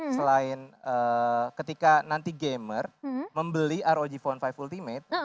selain ketika nanti gamer membeli rog phone lima ultimate